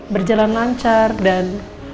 berjalan lancar dan